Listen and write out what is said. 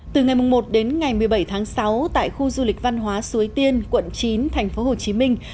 từ ngày một đến ngày một mươi bảy tháng sáu tại khu du lịch văn hóa suối tiên quận chín thành phố hồ chí minh